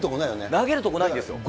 投げるとこないんですよ。